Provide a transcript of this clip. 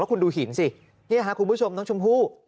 แล้วคุณดูหินสินี่คุณผู้ชมน้องชมพู่